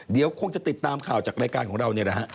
เดี๋ยวคงจะติดตามข่าวจากรายการของเรานี่แหละฮะ